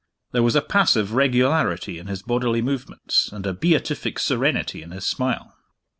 There was a passive regularity in his bodily movements and a beatific serenity in his smile.